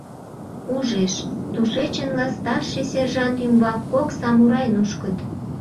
Ужеш: тушечынла старший сержант ӱмбак кок самурай нушкыт.